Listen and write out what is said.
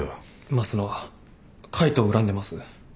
益野は海藤を恨んでます。